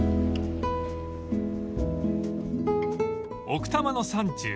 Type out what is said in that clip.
［奥多摩の山中